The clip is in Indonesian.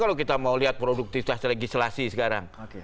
kalau kita mau lihat produktivitas legislasi sekarang